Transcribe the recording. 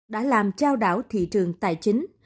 đã làm trao đảo thị trường tài truyền